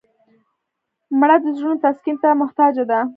مړه د زړونو تسکین ته محتاجه ده